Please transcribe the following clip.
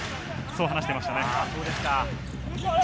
そう話していました。